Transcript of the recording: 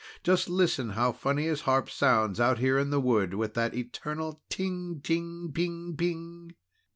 Just listen how funny his harp sounds out here in the wood with that eternal _ting! ting! ping! ping!